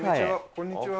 こんにちは。